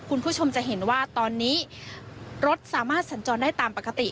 คุณผู้ชมจะเห็นว่าตอนนี้รถสามารถสัญจรได้ตามปกติ